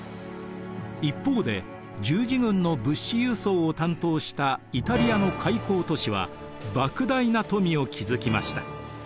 一方で十字軍の物資輸送を担当したイタリアの海港都市はばく大な富を築きました。